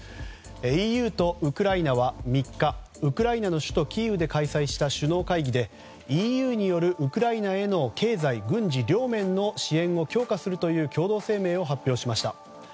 ＥＵとウクライナは３日ウクライナの首都キーウで開催した首脳会議でＥＵによるウクライナへの経済・軍事両面の支援を強化するという共同声明を発表しました。